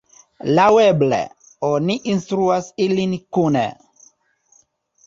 Laŭeble, oni instruas ilin kune.